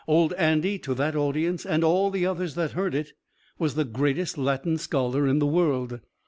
Old Andy to that audience, and all the others that heard of it, was the greatest Latin scholar in the world."